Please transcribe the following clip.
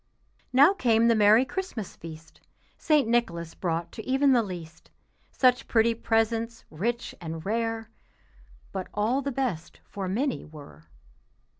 Now came the merry Christmas feast; St. Nicholas brought to e'en the least Such pretty presents, rich and rare, But all the best for Minnie were.